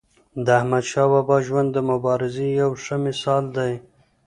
د احمدشاه بابا ژوند د مبارزې یو ښه مثال دی.